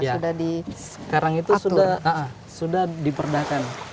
ya sekarang itu sudah diperdahkan